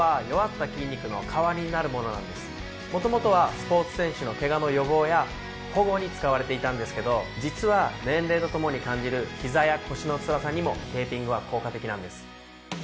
元々はスポーツ選手のケガの予防や保護に使われていたんですけど実は年齢とともに感じるひざや腰のつらさにもテーピングは効果的なんです。